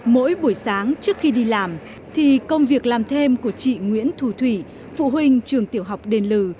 mỗi buổi sáng trước khi đi làm thì công việc làm thêm của chị nguyễn thù thủy phụ huynh trường tiểu học đền lừ